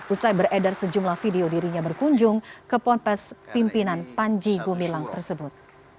usai beredar sejumlah video dirinya berkunjung ke ponpes pimpinan panji gumilang tersebut